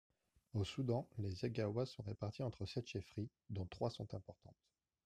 Au Soudan, les Zaghawas sont répartis entre sept chefferies, dont trois sont importantes.